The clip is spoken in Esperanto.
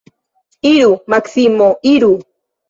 Iru, Maksimo, iru!